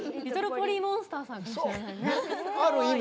リトル・ポリー・モンスターさんですよね。